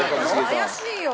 怪しいよ！